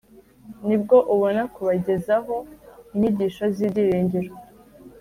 nibwo ubona kubagezaho inyigisho z’ibyiringiro.